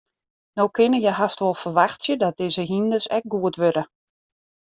No kinne je hast wol ferwachtsje dat dizze hynders ek goed wurde.